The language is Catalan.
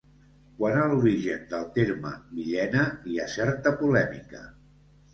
Quant a l'origen del terme Villena, hi ha certa polèmica.